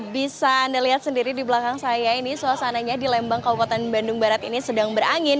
bisa anda lihat sendiri di belakang saya ini suasananya di lembang kabupaten bandung barat ini sedang berangin